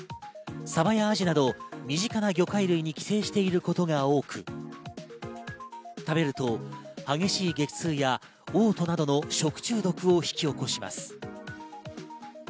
サバやアジなど、身近な魚介類に寄生していることが多く、食べると激しい激痛や嘔吐などの食中毒を引き起こします。